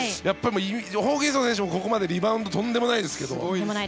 ホーキンソン選手もここまでリバウンドとんでもないですけど。